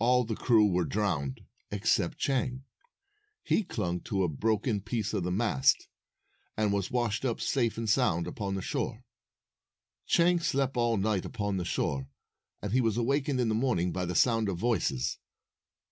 All the crew were drowned except Chang. He clung to a broken piece of the mast, and was washed up safe and sound upon the shore. Chang slept all night upon the shore, and he was awakened in the morning by the sound of voices.